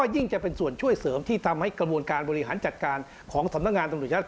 ยิ่งจะเป็นส่วนช่วยเสริมที่ทำให้กระบวนการบริหารจัดการของสำนักงานตำรวจชาติ